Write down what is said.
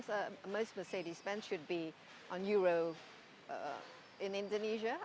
sebagian besar mercedes benz harus berada di eur di indonesia bukan